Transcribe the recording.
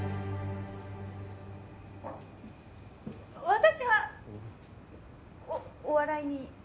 私はおお笑いに。